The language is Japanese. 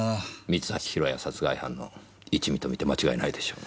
三橋弘也殺害犯の一味とみて間違いないでしょう。